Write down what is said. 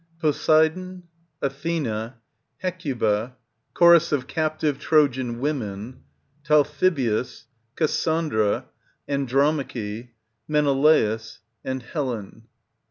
Poseidon. Athena. Hecuba. Chorus of Captive Trojan Women. Talthybius. Cassandra. Andromache. Menelaus. Helen.